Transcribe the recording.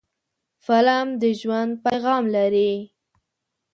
فلم د ژوند پیغام لري